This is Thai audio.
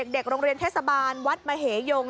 เด็กโรงเรียนเทศบาลวัดมเหยง